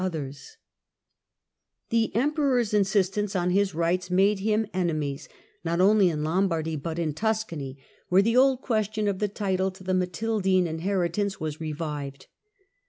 FKEDERICK I. AND THE LOMBARD COMMUNES 159 The Emperor's insistence on his rights made him enemies, not only in Lombardy, but in Tuscany, where the old question of the title to the Matildine inheritance was revived.